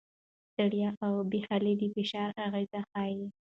ستړیا او بې حالي د فشار اغېز ښيي.